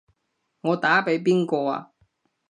我打畀邊個啊？